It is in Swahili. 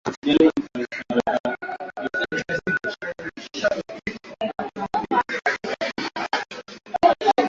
Kunya kinyesi kigumu na kilichokauka